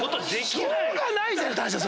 しょうがないじゃない！